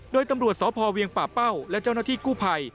โดยตำรวจสพเวียงป่าเป้าและเจ้าหน้าที่กู้ภัย